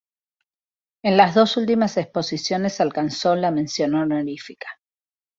En las dos últimas exposiciones alcanzó la mención honorífica.